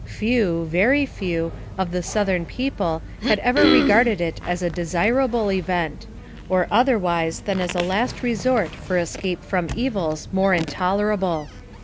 Few, very few, of the Southern people had ever regarded it as a desirable event, or otherwise than as a last resort for escape from evils more intolerable.